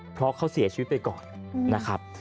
เพราะเขาเสียชีวิตไปก่อนนะครับ